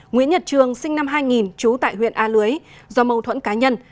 nguyễn nhật trường sinh năm hai nghìn trú tại huyện a lưới do mâu thuẫn cá nhân